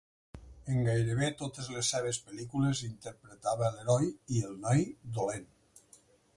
En gairebé totes les seves pel·lícules interpretava l'heroi o el noi dolent.